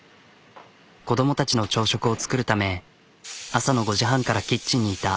子どもたちの朝食を作るため朝の５時半からキッチンにいた。